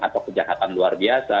atau kejahatan luar biasa